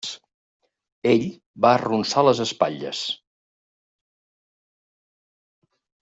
Ell va arronsar les espatlles.